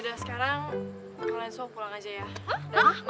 sudah sekarang kalian sok pulang aja ya